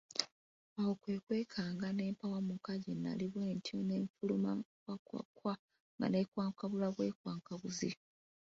Awo kwe kwekanga ne mpawumuka gye nnali bwentyo ne nfuluma kkwakkwakkwa nga nneekwakwabula bwekwakwabuzi!